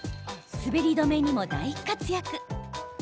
滑り止めにも大活躍。